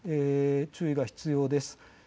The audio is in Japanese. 注意が必要です。